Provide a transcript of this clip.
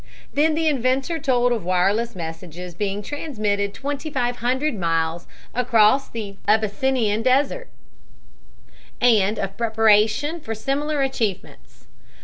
Then the inventor told of wireless messages being transmitted 2500 miles across the Abyssinian desert, and of preparation for similar achievements.